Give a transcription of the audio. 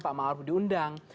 pak ma'ruf diundang